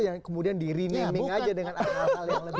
yang kemudian di re name ing aja dengan akar masalah yang lebih